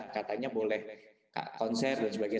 katanya boleh konser dan sebagainya